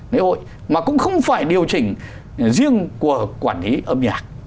lễ hội mà cũng không phải điều chỉnh riêng của quản lý âm nhạc